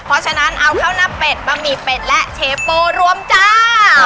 เพราะฉะนั้นเอาข้าวหน้าเป็ดบะหมี่เป็ดและเชโปรวมจ้า